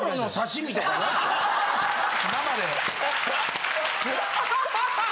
生で。